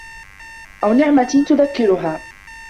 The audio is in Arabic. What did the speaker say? أَوْ نِعْمَةٍ تَذْكُرُهَا